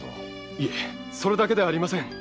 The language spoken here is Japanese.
いえそれだけではありません！